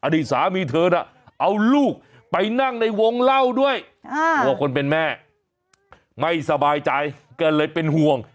อดีตสามีเธอน่ะเอาลูกไปนั่งในวงเล่าด้วยตัวคนเป็นแม่ไม่สบายใจก็เลยเป็นห่วง